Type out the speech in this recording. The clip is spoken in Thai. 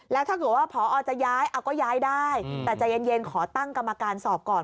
แล้วถ้าเกิดว่าพอจะย้ายก็ย้ายได้แต่ใจเย็นขอตั้งกรรมการสอบก่อน